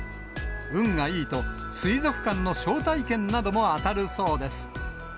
運がいいと、水族館の招待券なども当たるそうです。